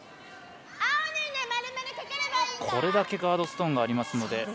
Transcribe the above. これだけガードストーンがありますので。